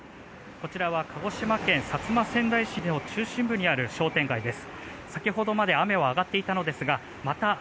こちらは鹿児島県薩摩川内市の中心部にある商店街です。